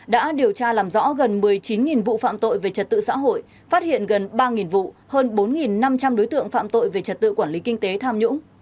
đã điều tra làm rõ gần một mươi chín vụ phạm tội về trật tự xã hội phát hiện gần ba vụ hơn bốn năm trăm linh đối tượng phạm tội về trật tự quản lý kinh tế tham nhũng